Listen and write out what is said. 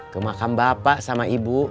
ke makam bapak sama ibu